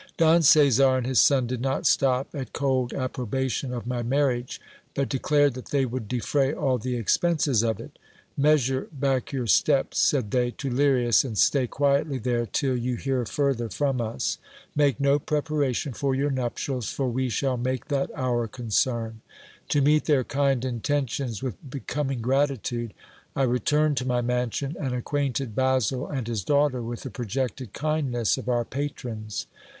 Don Caesar and his son did not stop at cold approbation of my marriage, but declared that they would defray all the expenses of it. Measure back your steps, said they, to Lirias, and stay quietly there till you hear further from us. Make no preparation for your nuptials, for we shall make that our concern. To meet their kind intentions with becoming gratitude, I returned to my mansion, and acquainted Basil and his daughter with the projected kindness of our patrons.